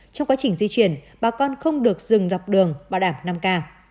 trong quá trình di chuyển bà con không được dừng dọc đường bảo đảm năm k